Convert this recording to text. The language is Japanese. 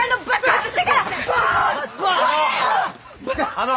あの！